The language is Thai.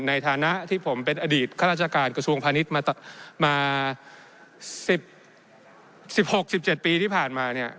ในฐานะที่ผมเป็นอดีตข้าราชการกระทรวงพาณิชย์มา๑๖๑๗ปีที่ผ่านมาเนี่ย